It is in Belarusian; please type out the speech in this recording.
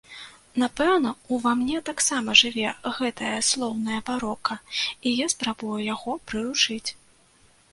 Напэўна, ува мне таксама жыве гэтае слоўнае барока, і я спрабую яго прыручыць.